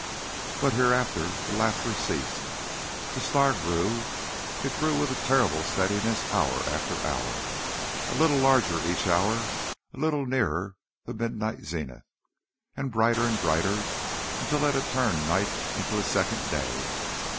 But hereafter the laughter ceased. The star grew it grew with a terrible steadiness hour after hour, a little larger each hour, a little nearer the midnight zenith, and brighter and brighter, until it had turned night into a second day.